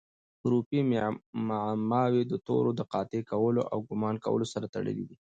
حروفي معماوي د تورو د قاطع کولو او ګومان کولو سره تړلي دي.